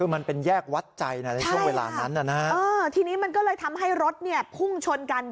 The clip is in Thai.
มันเป็นแยกวัดใจในเวลานั้นแหละใช่ค่ะที่นี้มันเลยทำให้รถพ่วงชนกัน